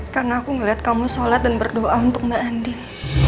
karena aku ngeliat kamu sholat dan berdoa untuk mbak andin